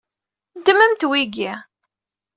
Ddmemt wigi.